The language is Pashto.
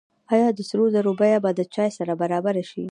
آیا د سرو زرو بیه به د چای سره برابره شي؟